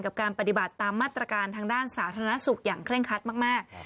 กับการปฏิบัติตามมาตรการทางด้านสาธารณสุขอย่างเคร่งคัดมาก